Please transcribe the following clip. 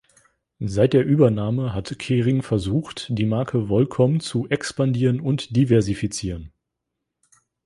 Seit der Übernahme hat Kering versucht, die Marke Volcom zu expandieren und diversifizieren.